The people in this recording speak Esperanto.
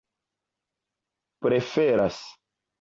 preferas